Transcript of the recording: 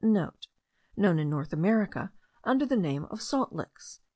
*(* Known in North America under the name of salt licks.)